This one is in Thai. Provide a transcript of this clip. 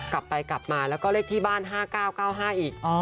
กลับไปกลับมาแล้วก็เลขที่บ้าน๕๙๙๕อีก